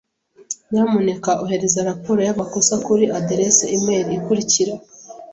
Nyamuneka ohereza raporo yamakosa kuri aderesi imeri ikurikira.